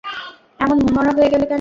এমন মনমরা হয়ে গেলে কেন?